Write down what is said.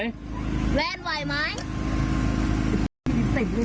เดี๋ยวค่อยใจเย็นใจเย็น